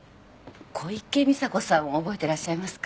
小池美砂子さんを覚えてらっしゃいますか？